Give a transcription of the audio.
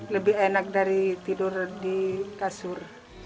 lebih enak dari tidur di kasur